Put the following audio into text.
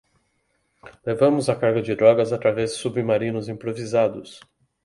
Levamos a carga de drogas através de submarinos improvisados